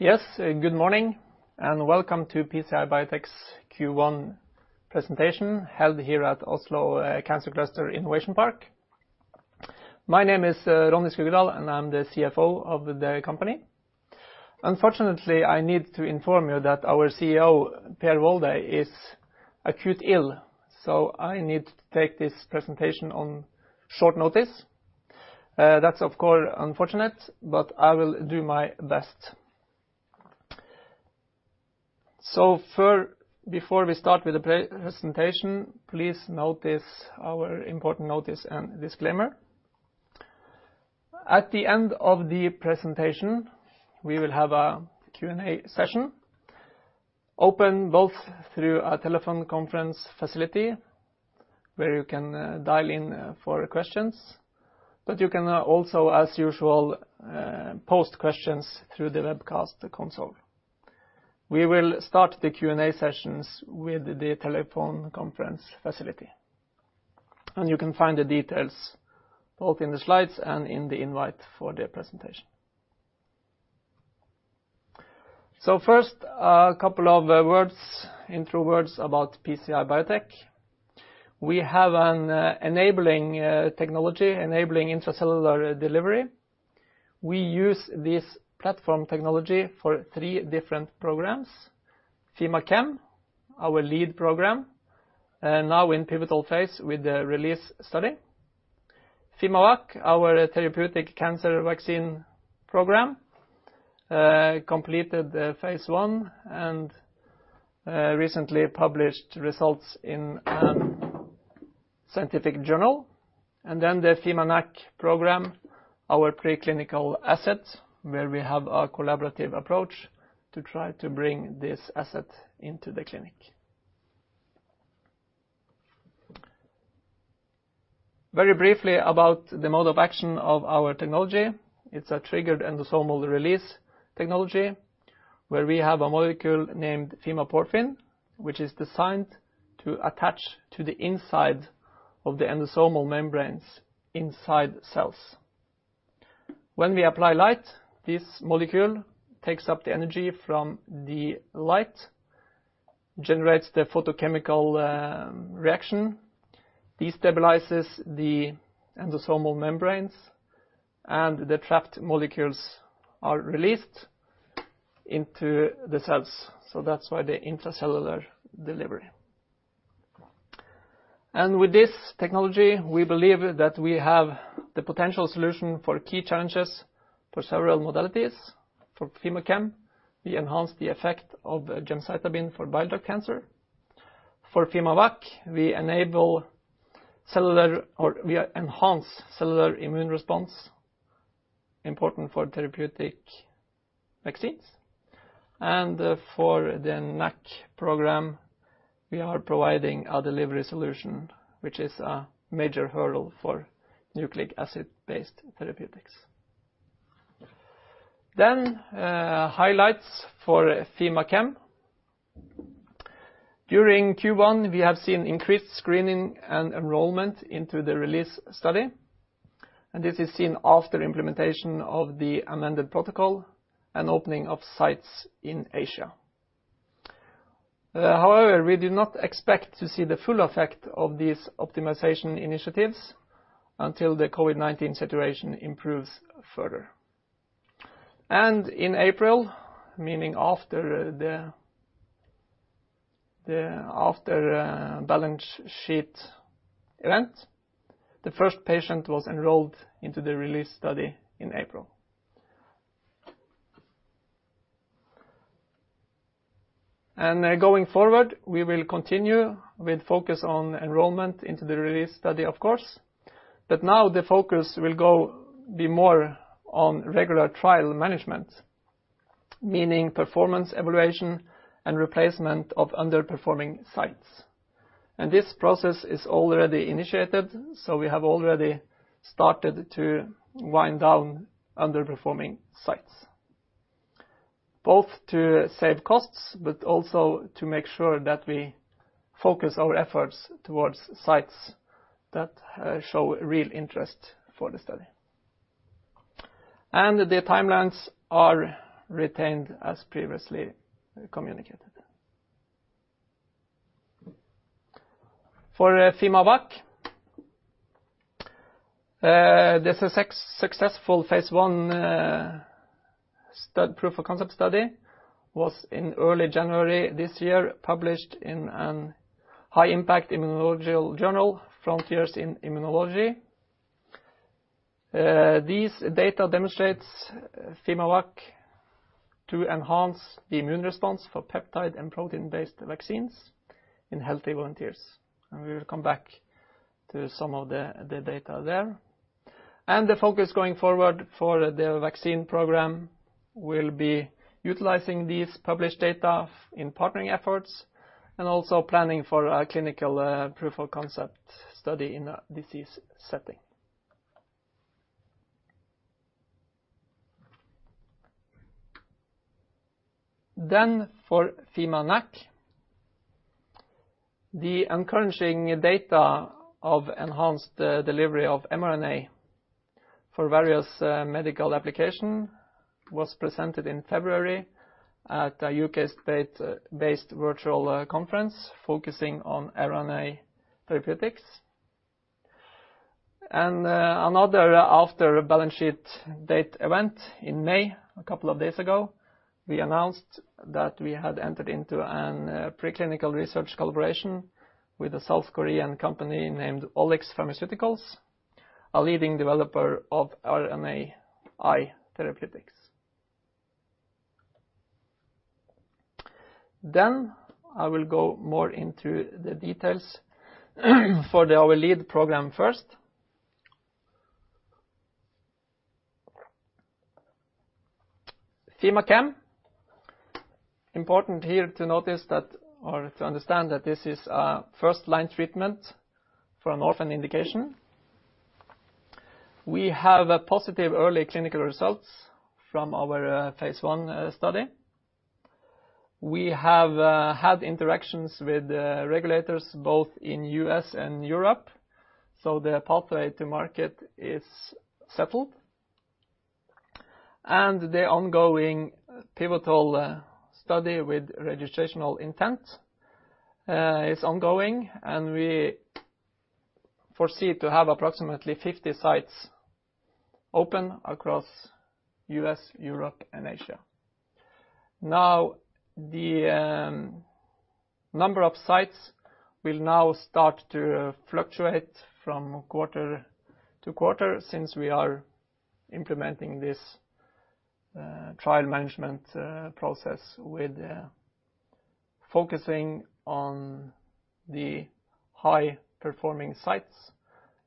Good morning, welcome to PCI Biotech's Q1 presentation, held here at Oslo Cancer Cluster Innovation Park. My name is Ronny Skuggedal, and I'm the CFO of the company. Unfortunately, I need to inform you that our CEO, Per Walday, is acute ill, so I need to take this presentation on short notice. That's of course, unfortunate, but I will do my best. Before we start with the presentation, please note our important notice and disclaimer. At the end of the presentation, we will have a Q&A session open both through a telephone conference facility where you can dial in for questions, but you can also, as usual, post questions through the webcast console. We will start the Q&A sessions with the telephone conference facility, and you can find the details both in the slides and in the invite for the presentation. First, a couple of intro words about PCI Biotech. We have an enabling technology, enabling intracellular delivery. We use this platform technology for three different programs. fimaChem, our lead program, now in pivotal phase with the RELEASE study. fimaVACC, our therapeutic cancer vaccine program, completed phase I and recently published results in a scientific journal. The fimaNAc program, our preclinical asset, where we have a collaborative approach to try to bring this asset into the clinic. Very briefly about the mode of action of our technology. It's a triggered endosomal release technology where we have a molecule named fimaporfin, which is designed to attach to the inside of the endosomal membranes inside cells. When we apply light, this molecule takes up the energy from the light, generates the photochemical reaction, destabilizes the endosomal membranes, and the trapped molecules are released into the cells. That's why the intracellular delivery. With this technology, we believe that we have the potential solution for key challenges for several modalities. For fimaChem, we enhance the effect of gemcitabine for bile duct cancer. For fimaVACC, we enhance cellular immune response, important for therapeutic vaccines. For the NAC program, we are providing a delivery solution which is a major hurdle for nucleic acid-based therapeutics. Highlights for fimaChem. During Q1, we have seen increased screening and enrollment into the RELEASE study, and this is seen after implementation of the amended protocol and opening of sites in Asia. However, we do not expect to see the full effect of these optimization initiatives until the COVID-19 situation improves further. In April, meaning after the balance sheet event, the first patient was enrolled into the RELEASE study in April. Going forward, we will continue with focus on enrollment into the RELEASE study, of course. Now the focus will be more on regular trial management, meaning performance evaluation and replacement of underperforming sites. This process is already initiated, so we have already started to wind down underperforming sites, both to save costs but also to make sure that we focus our efforts towards sites that show real interest for the study. The timelines are retained as previously communicated. For fimaVACC, the successful phase I proof-of-concept study was in early January this year, published in a high impact immunological journal, "Frontiers in Immunology." These data demonstrate fimaVACC to enhance the immune response for peptide and protein-based vaccines in healthy volunteers, and we will come back to some of the data there. The focus going forward for the vaccine program will be utilizing these published data in partnering efforts and also planning for a clinical proof-of-concept study in a disease setting. For fimaNAc, the encouraging data of enhanced delivery of mRNA for various medical application was presented in February at a U.K.-based virtual conference focusing on RNA therapeutics. Another after balance sheet date event in May, a couple of days ago, we announced that we had entered into a preclinical research collaboration with a South Korean company named OliX Pharmaceuticals, a leading developer of RNAi therapeutics. I will go more into the details for our lead program first. fimaChem, important here to notice that or to understand that this is a first-line treatment for an orphan indication. We have positive early clinical results from our phase I study. We have had interactions with regulators both in U.S. and Europe, so the pathway to market is settled. The ongoing pivotal study with registrational intent is ongoing, and we foresee to have approximately 50 sites open across U.S., Europe, and Asia. Now, the number of sites will now start to fluctuate from quarter to quarter since we are implementing this trial management process with focusing on the high-performing sites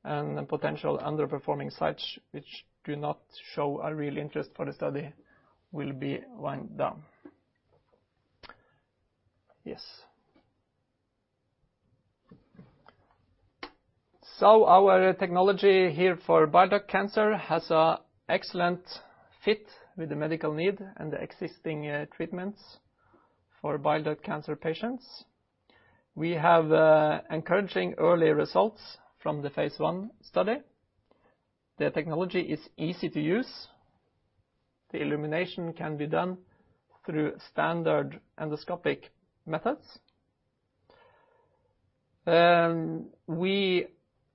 and the potential underperforming sites, which do not show a real interest for the study will be wound down. Yes. Our technology here for bile duct cancer has an excellent fit with the medical need and the existing treatments for bile duct cancer patients. We have encouraging early results from the phase I study. The technology is easy to use. The illumination can be done through standard endoscopic methods. We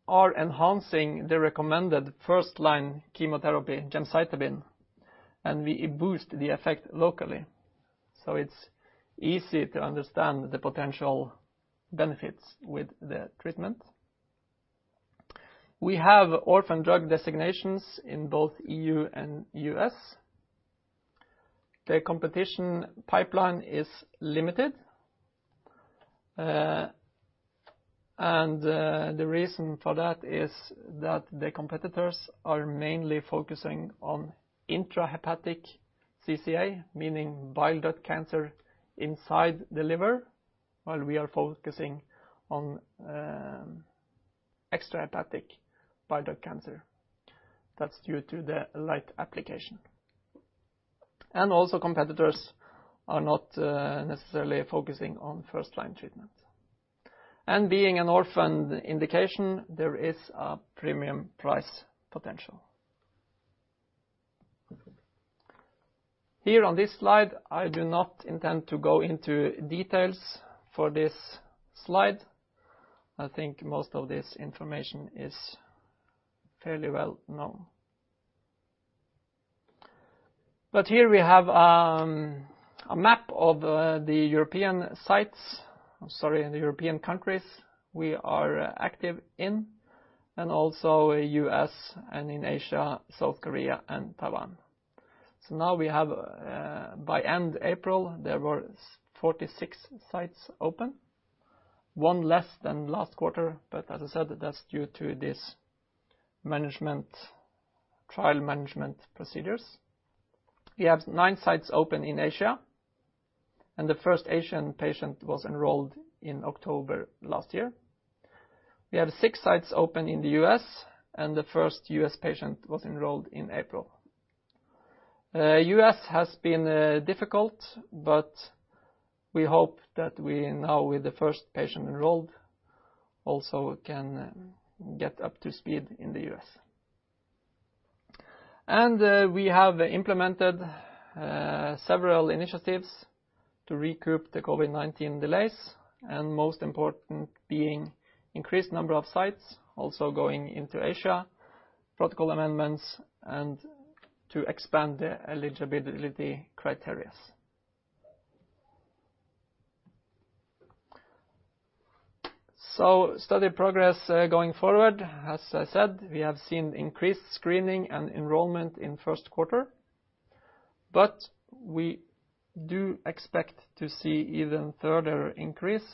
are enhancing the recommended first-line chemotherapy gemcitabine. We boost the effect locally, it's easy to understand the potential benefits with the treatment. We have orphan drug designations in both EU and U.S. The competition pipeline is limited. The reason for that is that the competitors are mainly focusing on intrahepatic CCA, meaning bile duct cancer inside the liver, while we are focusing on extrahepatic bile duct cancer. That's due to the light application. Also competitors are not necessarily focusing on first-line treatment. Being an orphan indication, there is a premium price potential. Here on this slide, I do not intend to go into details for this slide. I think most of this information is fairly well-known. Here we have a map of the European sites, I'm sorry, the European countries we are active in, and also U.S. and in Asia, South Korea and Taiwan. Now we have by end April, there were 46 sites open, one less than last quarter. As I said, that's due to this trial management procedures. We have nine sites open in Asia, and the first Asian patient was enrolled in October last year. We have six sites open in the U.S., and the first U.S. patient was enrolled in April. U.S. has been difficult, but we hope that we now with the first patient enrolled, also can get up to speed in the U.S. We have implemented several initiatives to recoup the COVID-19 delays, and most important being increased number of sites also going into Asia, protocol amendments, and to expand the eligibility criterias. Study progress going forward. As I said, we have seen increased screening and enrollment in first quarter, but we do expect to see even further increase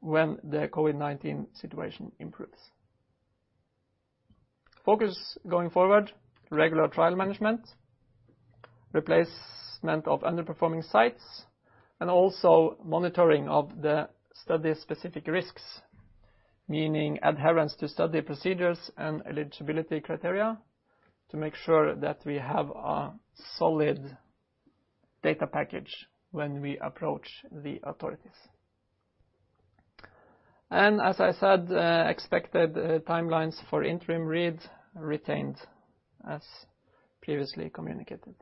when the COVID-19 situation improves. Focus going forward, regular trial management, replacement of underperforming sites, and also monitoring of the study-specific risks, meaning adherence to study procedures and eligibility criteria to make sure that we have a solid data package when we approach the authorities. As I said, expected timelines for interim read retained as previously communicated.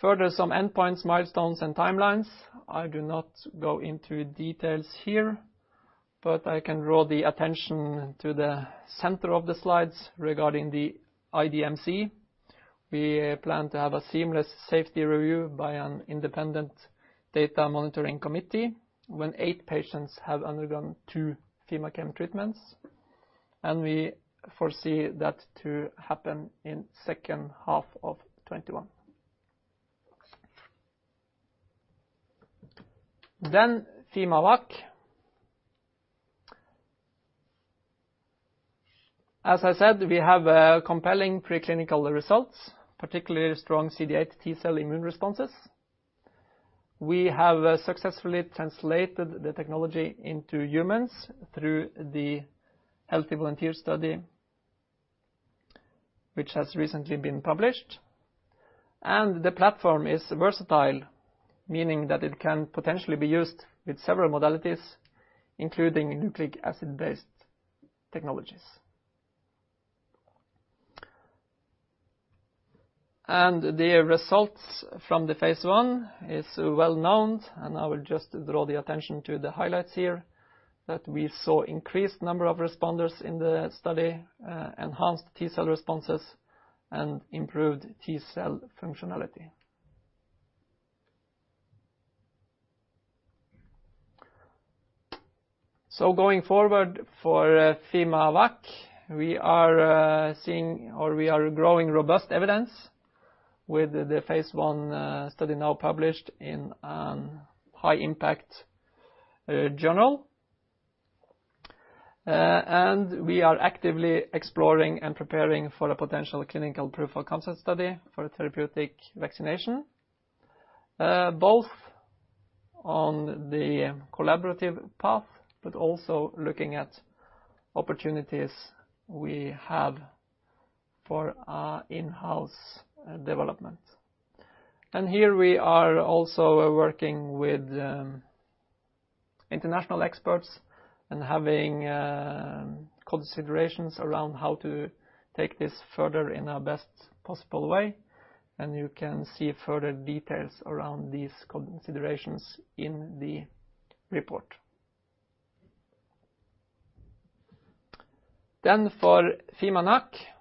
Further, some endpoints, milestones, and timelines. I do not go into details here, but I can draw the attention to the center of the slides regarding the IDMC. We plan to have a seamless safety review by an independent data monitoring committee when eight patients have undergone two fimaChem treatments, and we foresee that to happen in second half of 2021. fimaVACC. As I said, we have compelling preclinical results, particularly strong CD8 T-cell immune responses. We have successfully translated the technology into humans through the healthy volunteer study, which has recently been published. The platform is versatile, meaning that it can potentially be used with several modalities, including nucleic acid-based technologies. The results from the phase I is well-known. I will just draw the attention to the highlights here, that we saw increased number of responders in the study, enhanced T-cell responses, and improved T-cell functionality. Going forward for fimaVACC, we are growing robust evidence with the phase I study now published in an high impact journal. We are actively exploring and preparing for a potential clinical proof-of-concept study for therapeutic vaccination, both on the collaborative path, but also looking at opportunities we have for in-house development. Here we are also working with international experts and having considerations around how to take this further in a best possible way, and you can see further details around these considerations in the report. For fimaNAc.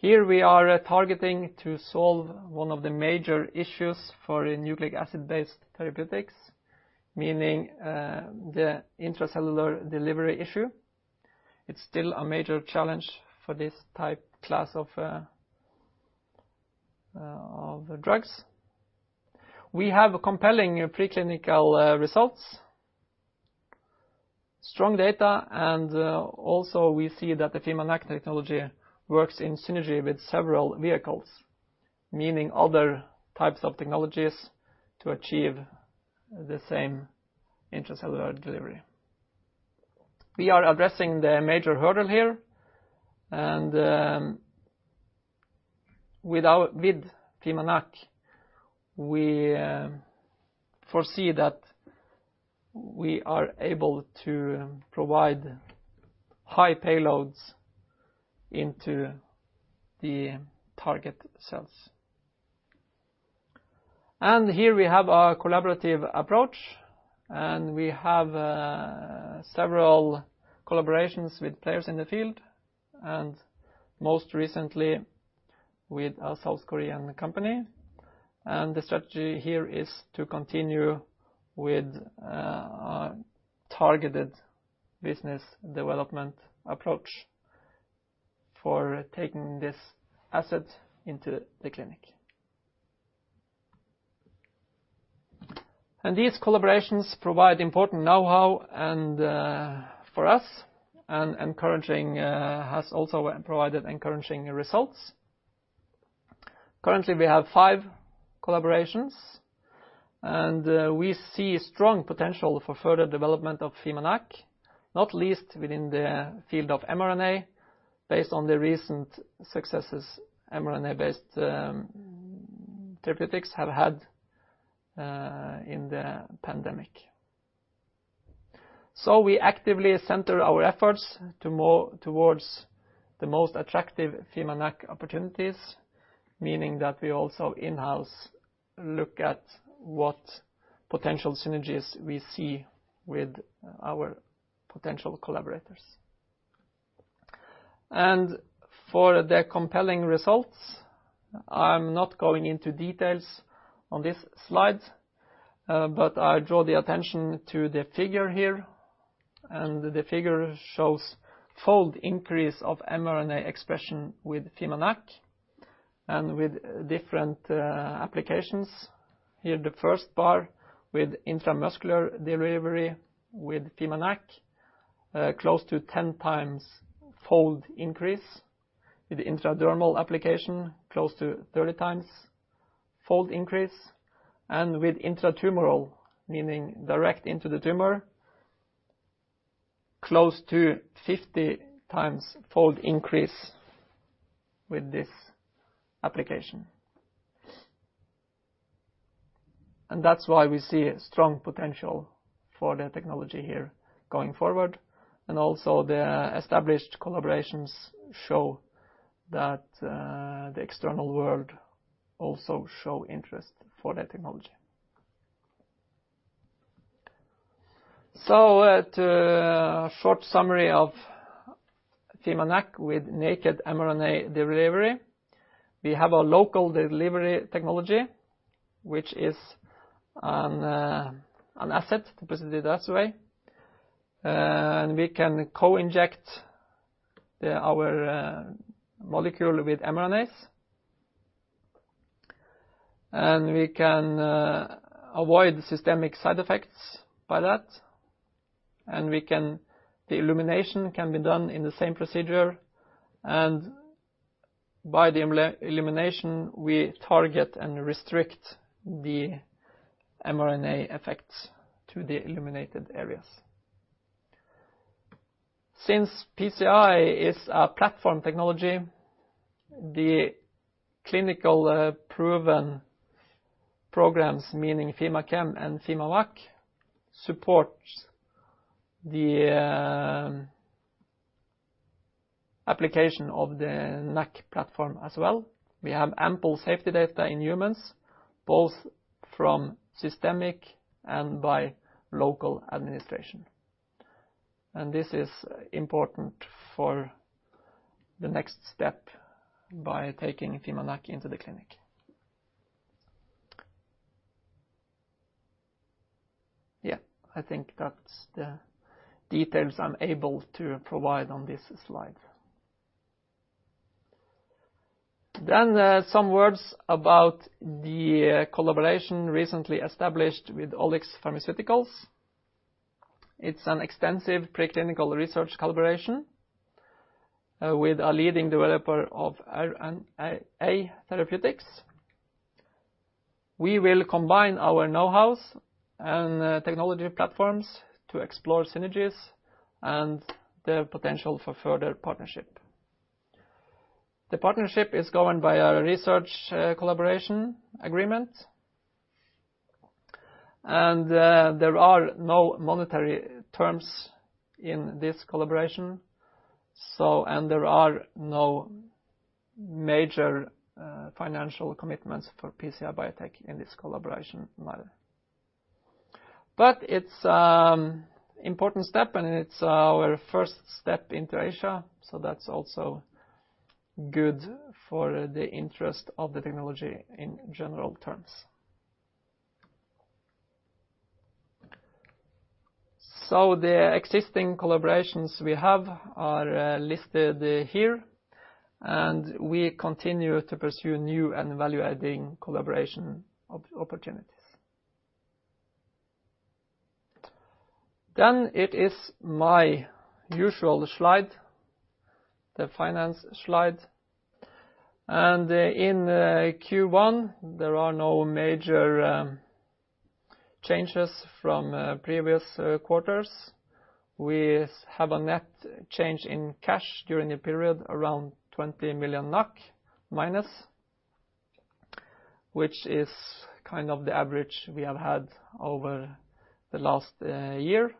Here we are targeting to solve one of the major issues for nucleic acid-based therapeutics, meaning the intracellular delivery issue. It's still a major challenge for this type class of drugs. We have compelling preclinical results, strong data, and also we see that the fimaNAc technology works in synergy with several vehicles, meaning other types of technologies to achieve the same intracellular delivery. We are addressing the major hurdle here, with fimaNAc, we foresee that we are able to provide high payloads into the target cells. Here we have a collaborative approach, and we have several collaborations with players in the field, and most recently with a South Korean company. The strategy here is to continue with a targeted business development approach for taking this asset into the clinic. These collaborations provide important knowhow for us, and has also provided encouraging results. Currently, we have five collaborations, and we see strong potential for further development of fimaNAc, not least within the field of mRNA, based on the recent successes mRNA-based therapeutics have had in the pandemic. We actively center our efforts towards the most attractive fimaNAc opportunities, meaning that we also in-house look at what potential synergies we see with our potential collaborators. For the compelling results, I'm not going into details on this slide, but I draw the attention to the figure here, and the figure shows fold increase of mRNA expression with fimaNAc and with different applications. Here, the first bar with intramuscular delivery with fimaNAc. Close to 10 times fold increase. With intradermal application, close to 30 times fold increase, and with intratumoral, meaning direct into the tumor, close to 50 times fold increase with this application. That's why we see a strong potential for the technology here going forward, and also the established collaborations show that the external world also show interest for the technology. A short summary of fimaNAc with naked mRNA delivery. We have a local delivery technology, which is an asset, to put it that way. We can co-inject our molecule with mRNAs. We can avoid systemic side effects by that. The illumination can be done in the same procedure, and by the illumination, we target and restrict the mRNA effects to the illuminated areas. Since PCI is a platform technology, the clinical proven programs, meaning fimaChem and fimaVACC, support the application of the NAc platform as well. We have ample safety data in humans, both from systemic and by local administration. This is important for the next step by taking fimaNAc into the clinic. I think that's the details I'm able to provide on this slide. Some words about the collaboration recently established with OliX Pharmaceuticals. It's an extensive preclinical research collaboration, with a leading developer of RNA therapeutics. We will combine our knowhows and technology platforms to explore synergies and the potential for further partnership. The partnership is governed by a research collaboration agreement. There are no monetary terms in this collaboration, and there are no major financial commitments for PCI Biotech in this collaboration matter. It's important step, and it's our first step into Asia, so that's also good for the interest of the technology in general terms. The existing collaborations we have are listed here, and we continue to pursue new and value-adding collaboration opportunities. It is my usual slide, the finance slide. In Q1, there are no major changes from previous quarters. We have a net change in cash during the period around 20 million NOK minus, which is kind of the average we have had over the last year.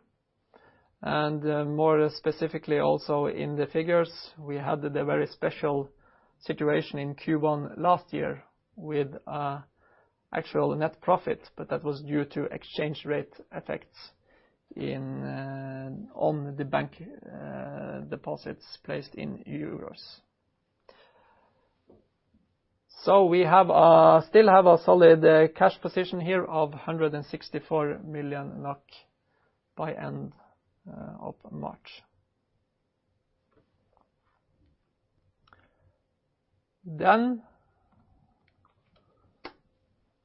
More specifically also in the figures, we had the very special situation in Q1 last year with actual net profit, but that was due to exchange rate effects on the bank deposits placed in EUR. We still have a solid cash position here of 164 million NOK by end of March.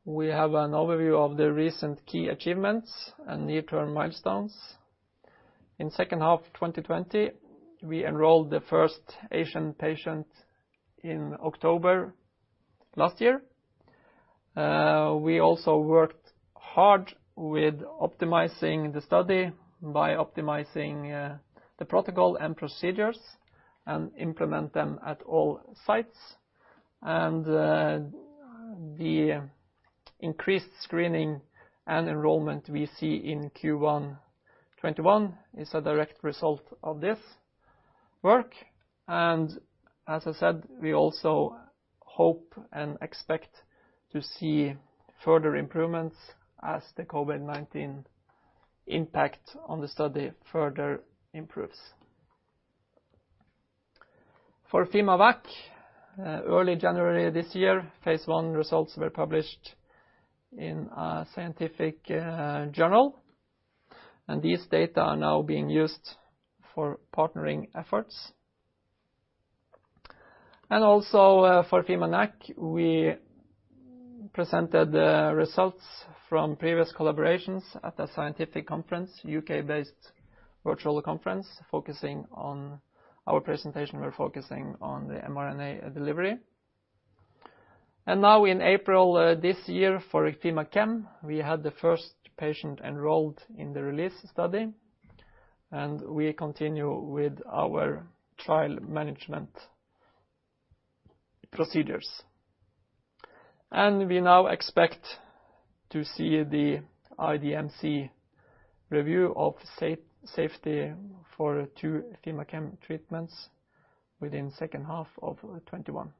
We have an overview of the recent key achievements and near-term milestones. In second half of 2020, we enrolled the first Asian patient in October last year. We also worked hard with optimizing the study by optimizing the protocol and procedures and implement them at all sites. The increased screening and enrollment we see in Q1 2021 is a direct result of this work. As I said, we also hope and expect to see further improvements as the COVID-19 impact on the study further improves. For fimaVACC, early January this year, phase I results were published in a scientific journal, and these data are now being used for partnering efforts. Also for fimaNAc, we presented the results from previous collaborations at a scientific conference, U.K.-based virtual conference. Our presentation was focusing on the mRNA delivery. Now in April this year for fimaChem, we had the first patient enrolled in the RELEASE study, and we continue with our trial management procedures. We now expect to see the IDMC review of safety for two fimaChem treatments within second half of 2021.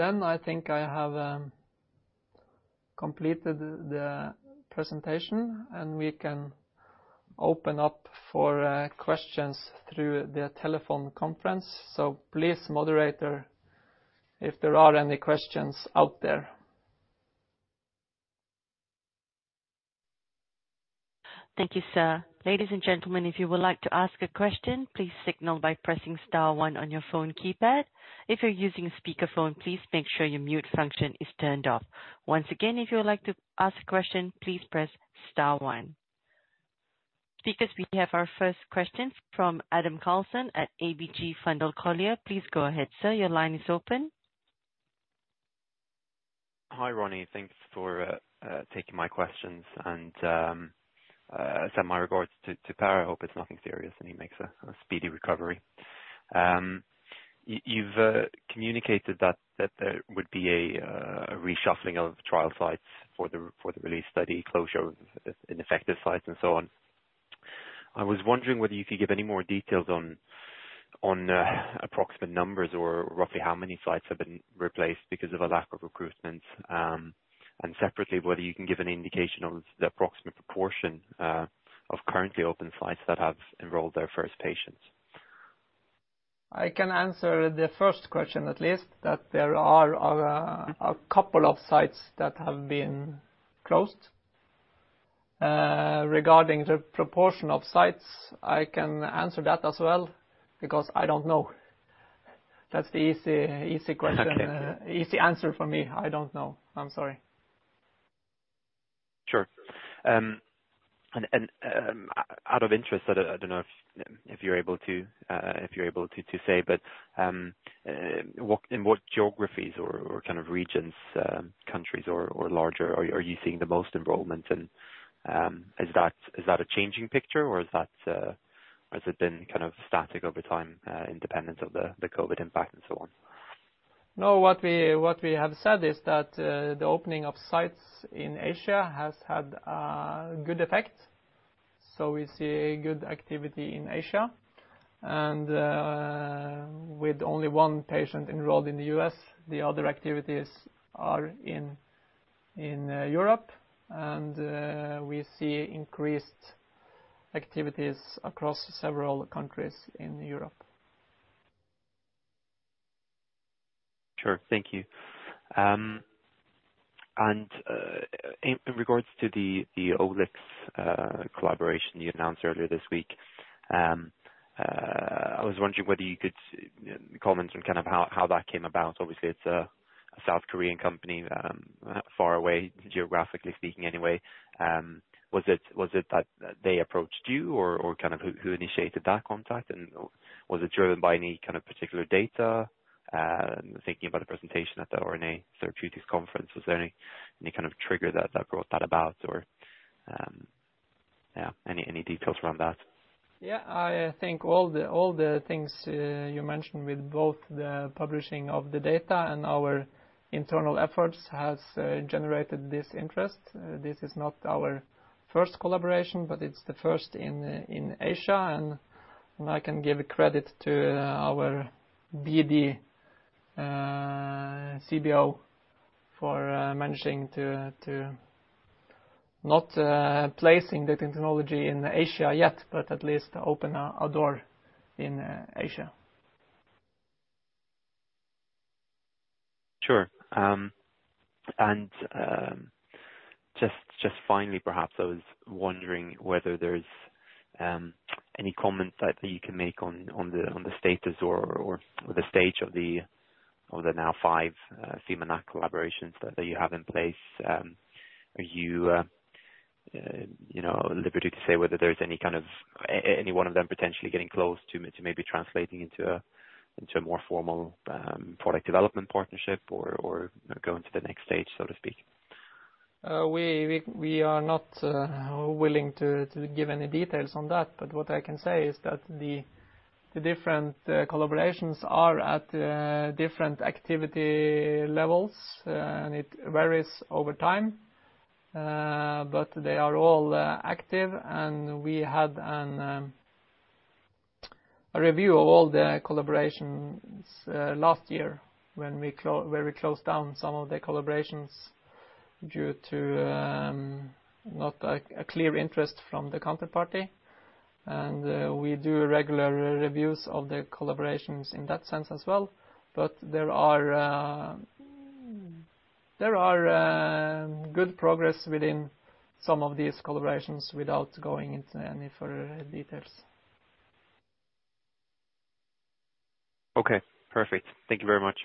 I think I have completed the presentation, and we can open up for questions through the telephone conference. Please, moderator, if there are any questions out there. Thank you, sir. Ladies and gentlemen, if you would like to ask a question, please signal by pressing star one on your phone keypad. If you're using a speakerphone, please make sure your mute function is turned off. Once again, if you would like to ask a question, please press star one. Speakers, we have our first questions from Adam Karlsson at ABG Sundal Collier. Please go ahead, sir. Your line is open. Hi, Ronny. Thanks for taking my questions and send my regards to Per. I hope it's nothing serious, and he makes a speedy recovery. You've communicated that there would be a reshuffling of trial sites for the RELEASE study closure of ineffective sites and so on. I was wondering whether you could give any more details on approximate numbers or roughly how many sites have been replaced because of a lack of recruitment. Separately, whether you can give an indication of the approximate proportion of currently open sites that have enrolled their first patients. I can answer the first question at least, that there are a couple of sites that have been closed. Regarding the proportion of sites, I can answer that as well because I don't know. That's the easy answer for me. I don't know. I'm sorry. Sure. Out of interest, I don't know if you're able to say, but in what geographies or kind of regions, countries or larger, are you seeing the most enrollment? Is that a changing picture or has it been kind of static over time, independent of the COVID impact and so on? No, what we have said is that the opening of sites in Asia has had a good effect. We see a good activity in Asia and with only one patient enrolled in the U.S., the other activities are in Europe, and we see increased activities across several countries in Europe. Sure. Thank you. In regards to the OliX collaboration you announced earlier this week, I was wondering whether you could comment on how that came about. Obviously, it's a South Korean company, far away geographically speaking anyway. Was it that they approached you or who initiated that contact? Was it driven by any kind of particular data? Thinking about the presentation at the RNA Therapeutics conference, was there any kind of trigger that brought that about or any details around that? Yeah, I think all the things you mentioned with both the publishing of the data and our internal efforts has generated this interest. This is not our first collaboration, but it's the first in Asia, and I can give credit to our DD CBO for managing to not placing the technology in Asia yet, but at least open a door in Asia. Sure. Just finally, perhaps, I was wondering whether there's any comments that you can make on the status or the stage of the now five fimaNAc collaborations that you have in place. Are you at liberty to say whether there's any one of them potentially getting close to maybe translating into a more formal product development partnership or going to the next stage, so to speak? We are not willing to give any details on that. What I can say is that the different collaborations are at different activity levels, and it varies over time. They are all active, and we had a review of all the collaborations last year where we closed down some of the collaborations due to not a clear interest from the counterparty. We do regular reviews of the collaborations in that sense as well. There are good progress within some of these collaborations without going into any further details. Okay, perfect. Thank you very much.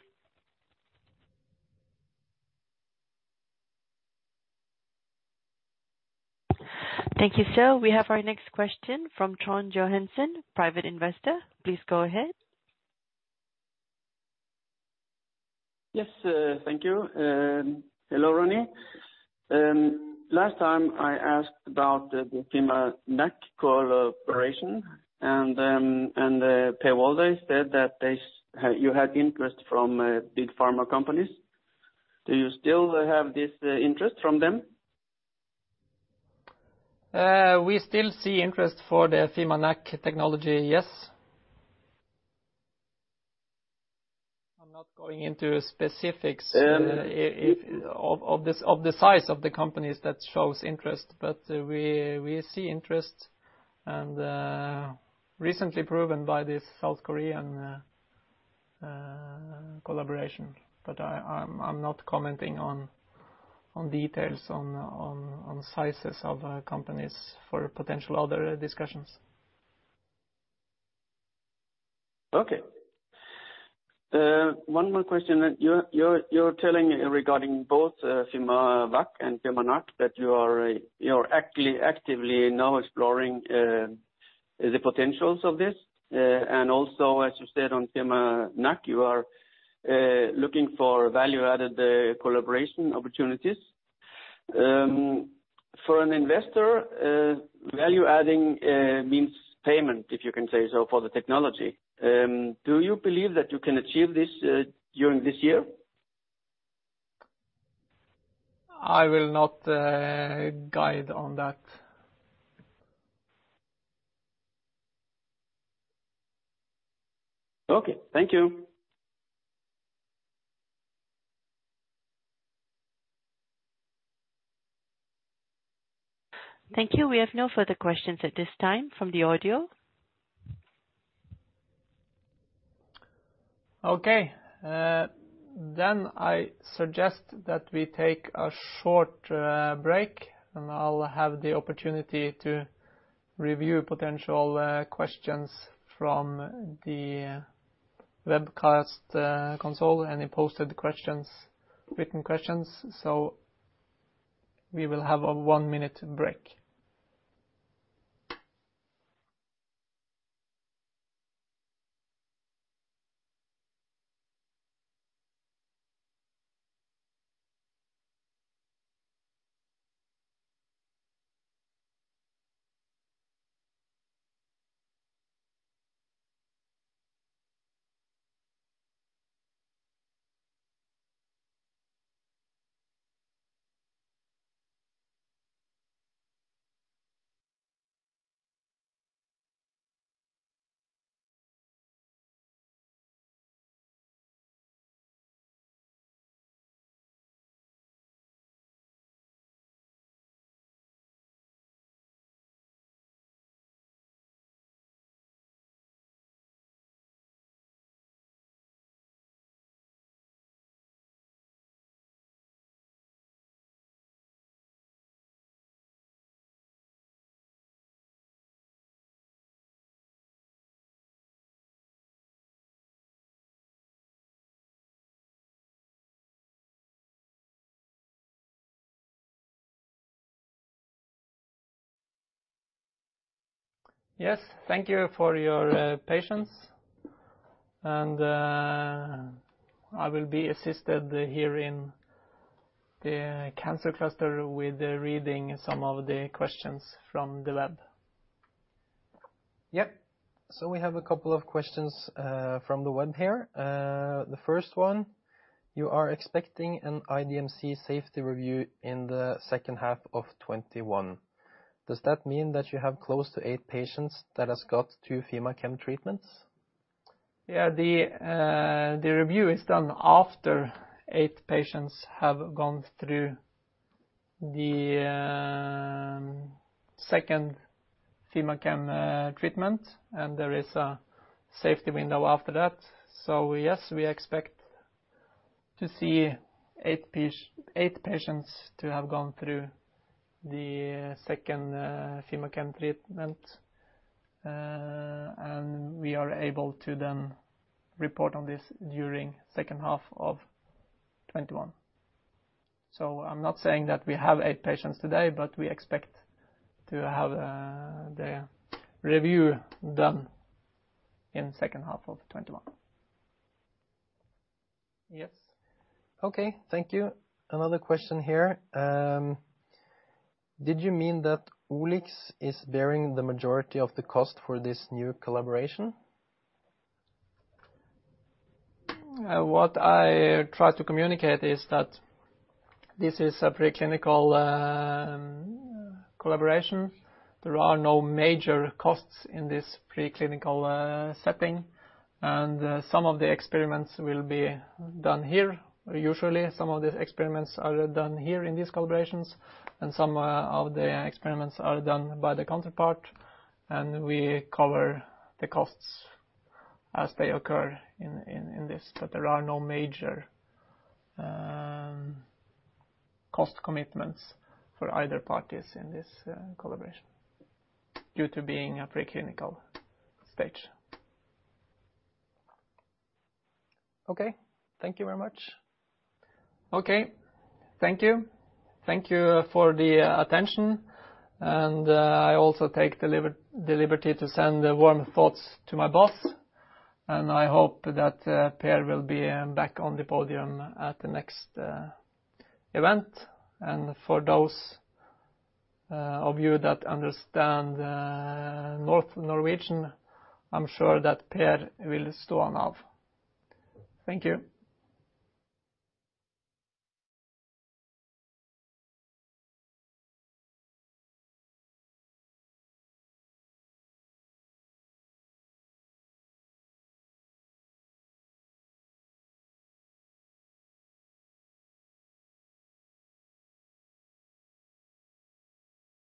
Thank you, sir. We have our next question from Tron Johansen, private investor. Please go ahead. Yes, thank you. Hello, Ronny. Last time I asked about the fimaNAc collaboration, and Per Walday said that you had interest from big pharma companies. Do you still have this interest from them? We still see interest for the fimaNAc technology, yes. I'm not going into specifics of the size of the companies that shows interest, but we see interest, and recently proven by this South Korean collaboration. I'm not commenting on details on sizes of companies for potential other discussions. Okay. One more question. You're telling regarding both fimaVACC and fimaNAc that you are actively now exploring the potentials of this. Also, as you said on fimaNAc, you are looking for value-added collaboration opportunities. For an investor, value-adding means payment, if you can say so, for the technology. Do you believe that you can achieve this during this year? I will not guide on that. Okay. Thank you. Thank you. We have no further questions at this time from the audio. Okay. I suggest that we take a short break, I'll have the opportunity to review potential questions from the webcast console, any posted questions, written questions. We will have a one-minute break. Thank you for your patience. I will be assisted here in the cancer cluster with reading some of the questions from the web. Yep. We have a couple of questions from the web here. The first one, you are expecting an IDMC safety review in the second half of 2021. Does that mean that you have close to eight patients that has got two fimaChem treatments? The review is done after eight patients have gone through the second fimaChem treatment, and there is a safety window after that. Yes, we expect to see eight patients to have gone through the second fimaChem treatment. We are able to then report on this during second half of 2021. I'm not saying that we have eight patients today, but we expect to have the review done in second half of 2021. Yes. Okay. Thank you. Another question here. Did you mean that OliX is bearing the majority of the cost for this new collaboration? What I try to communicate is that this is a preclinical collaboration. There are no major costs in this preclinical setting, and some of the experiments will be done here. Usually, some of the experiments are done here in these collaborations, and some of the experiments are done by the counterpart, and we cover the costs as they occur in this. There are no major cost commitments for either parties in this collaboration due to being a preclinical stage. Okay. Thank you very much. Okay. Thank you. Thank you for the attention, and I also take the liberty to send warm thoughts to my boss, and I hope that Per will be back on the podium at the next event. For those of you that understand North Norwegian, I'm sure that Per will storm up. Thank you.